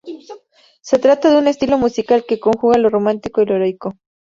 Se trata de un estilo musical que conjuga lo romántico y lo heroico.